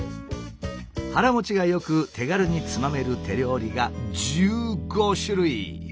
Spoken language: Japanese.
腹もちが良く手軽につまめる手料理が１５種類。